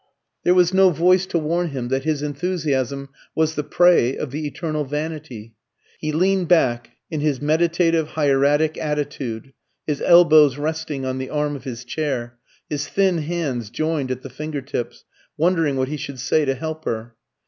There was no voice to warn him that his enthusiasm was the prey of the eternal vanity. He leaned back in his meditative hieratic attitude, his elbows resting on the arm of his chair, his thin hands joined at the finger tips, wondering what he should say to help her.